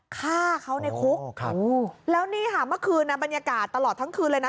ฆ่าเขาในคุกแล้วนี่ค่ะเมื่อคืนบรรยากาศตลอดทั้งคืนเลยนะ